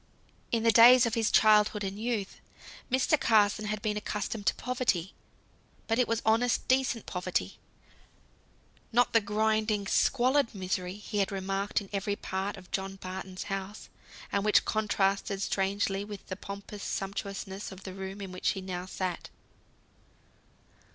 In the days of his childhood and youth, Mr. Carson had been accustomed to poverty; but it was honest, decent poverty; not the grinding squalid misery he had remarked in every part of John Barton's house, and which contrasted strangely with the pompous sumptuousness of the room in which he now sat.